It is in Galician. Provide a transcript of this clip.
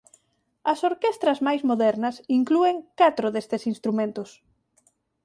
As orquestras máis modernas inclúen catro destes instrumentos.